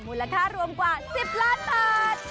มูลค่ารวมกว่า๑๐ล้านบาท